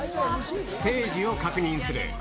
ステージを確認する。